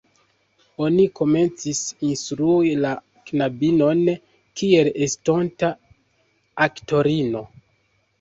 Oni komencis instrui la knabinon kiel estonta aktorino.